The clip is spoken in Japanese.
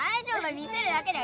見せるだけだよ。